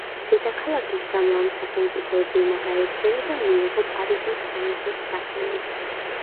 დედაქალაქის გამო ამ სახელმწიფოებრივმა გაერთიანებამ მიიღო პარიზის სამეფოს სახელი.